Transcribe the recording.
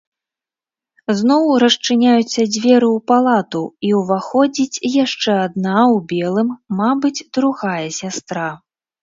Зноў расчыняюцца дзверы ў палату, і ўваходзіць яшчэ адна ў белым, мабыць, другая сястра.